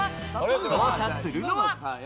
捜査するのは。